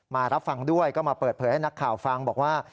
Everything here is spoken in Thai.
มารับฟังด้วยก็มาเปิดเผยให้นักข่าวฟังบอกว่า